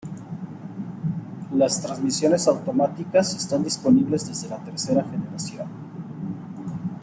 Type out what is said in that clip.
Las transmisiones automáticas están disponibles desde la tercera generación.